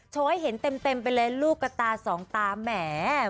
ให้เห็นเต็มไปเลยลูกกระตาสองตาแหม